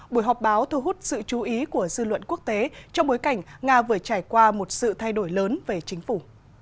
buổi họp báo thu hút sự chú ý của dư luận quốc tế trong bối cảnh nga vừa trải qua một sự thay đổi lớn về chính phủ